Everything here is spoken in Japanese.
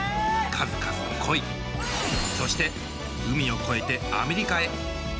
数々の恋そして海を越えてアメリカへ。